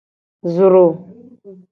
Zro.